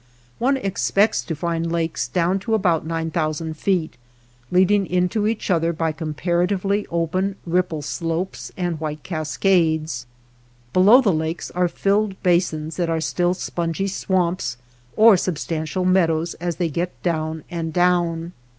One expects to find lakes down to about nine thousand feet, leading into each other by comparatively open ripple slopes and white cascades. Below the lakes are filled basins that are still spongy swamps, or substantial meadows, as they get down and down.